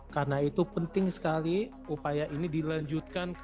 karena itu penting sekali upaya ini dilanjutkan